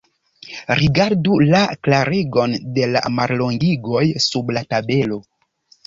Rigardu la klarigon de la mallongigoj sub la tabelo.